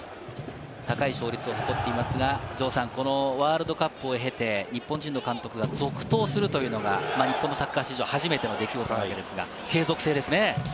高い勝率を誇っていますが、ワールドカップを経て、日本人の監督が続投するというのは日本サッカー史上初めての出来事なんですが、継続性ですね。